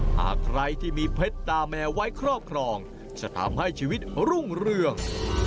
หากใครที่มีเพชรตาแมวไว้ครอบครองจะทำให้ชีวิตรุ่งเรือง